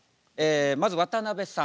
まず渡辺さん。